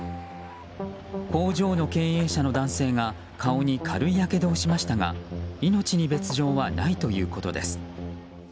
工場の経営者の男性が顔に軽いやけどをしましたが命に別条はないということです。